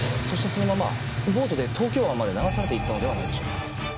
そしてそのままボートで東京湾まで流されていったのではないでしょうか。